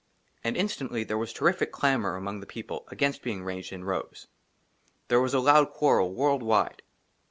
AND INSTANTLY THERE WAS TERRIFIC CLAMOUR AMONG THE PEOPLE AGAINST BEING RANGED IN ROWS. THERE WAS A LOUD QUARREL, WORLD WIDE.